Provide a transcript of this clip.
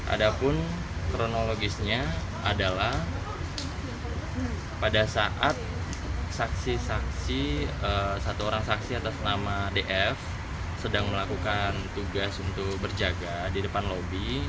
ada pun kronologisnya adalah pada saat saksi saksi satu orang saksi atas nama df sedang melakukan tugas untuk berjaga di depan lobi